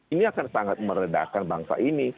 ini akan sangat meredakan bangsa ini